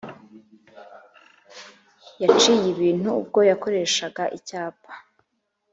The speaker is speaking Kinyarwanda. yaciye ibintu ubwo yakoreshaga icyapa,